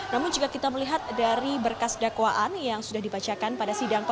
namun jika kita melihat dari berkas dakwaan yang sudah dibacakan pada sidang